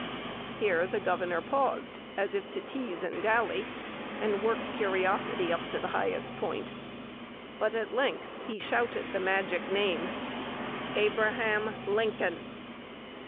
Here the governor paused, as if to tease and dally, and work curiosity up to the highest point; but at length he shouted the magic name "_Abraham Lincoln!